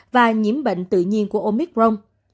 và nhiễm bệnh tự nhiên của omicron